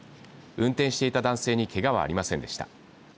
運転していた男性にけがはありませんでした。